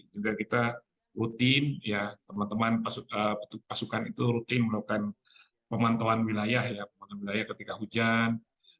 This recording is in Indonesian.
juga kita rutin teman teman pasukan itu rutin melakukan pemantauan wilayah ketika hujan